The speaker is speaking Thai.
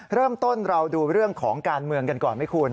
เริ่มต้นเราดูเรื่องของการเมืองกันก่อนไหมคุณ